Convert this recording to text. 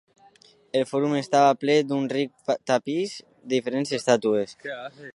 El fòrum estava ple d'un ric tapís de diferents estàtues.